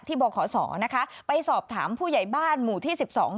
บขศนะคะไปสอบถามผู้ใหญ่บ้านหมู่ที่สิบสอง